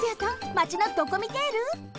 マチのドコミテール？